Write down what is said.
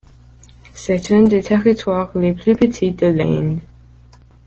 C'est un des territoires les plus petits de l'Inde.